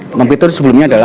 tumang pitu sebelumnya adalah